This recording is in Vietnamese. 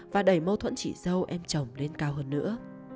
và đẩy mâu thuẫn chị dâu em chồng lên cao hơn nữa